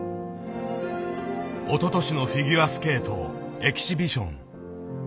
おととしのフィギュアスケートエキシビション。